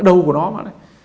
đầu của nó mà